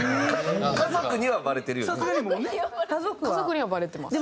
家族にはバレてますね。